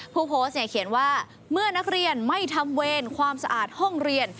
ผู้โพสต์เนี่ยเขียนว่าเมื่อนักเรียนไม่ทำเวรความสะอาดห้องเรียน